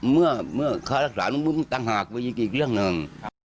เมื่อค่ารักษาต่างหากมีอีกเรื่องหนึ่ง